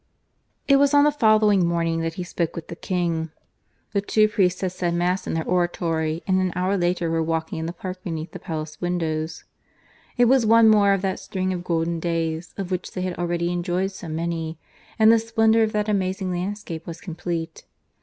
(IV) It was on the following morning that he spoke with the King. The two priests had said Mass in their oratory, and an hour later were walking in the park beneath the palace windows. It was one more of that string of golden days, of which they had already enjoyed so many, and the splendour of that amazing landscape was complete.